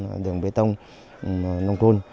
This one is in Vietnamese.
trong trường bê tông nông thôn